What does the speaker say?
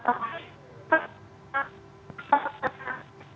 jadi kita harus mengetahui